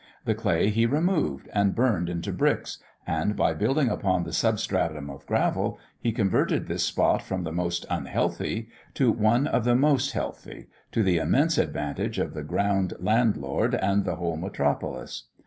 _The clay he removed, and burned into bricks; and by building upon the substratum of gravel, he converted this spot from the most unhealthy to one of the most healthy_, to the immense advantage of the ground landlord and the whole metropolis.